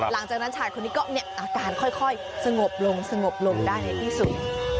หลังจากนั้นชายคนนี้ก็อาการค่อยสงบลงสงบลงได้ในที่สุด